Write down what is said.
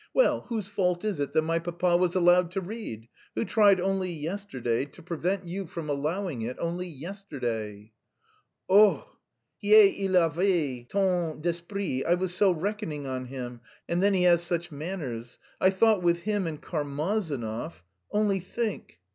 Well, whose fault is it that my papa was allowed to read? Who tried only yesterday to prevent you from allowing it, only yesterday?" "Oh, hier il avait tant d'esprit, I was so reckoning on him; and then he has such manners. I thought with him and Karmazinov... Only think!"